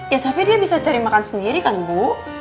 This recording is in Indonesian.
ya tapi dia bisa cari makan sendiri kan bu